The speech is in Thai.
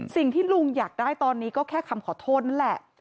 สิ่งที่ลุงอยากได้ตอนนี้ก็แค่คำขอโทษนั่นแหละ